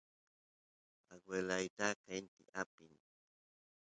aguelay qenti apin